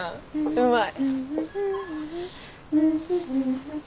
うまい。